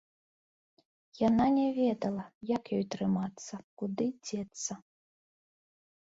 Яна не ведала, як ёй трымацца, куды дзецца.